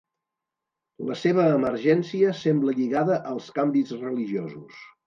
La seva emergència sembla lligada als canvis religiosos.